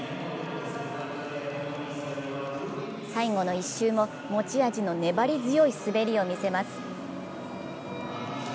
最後の１周も持ち味の粘り強い滑りを見せます。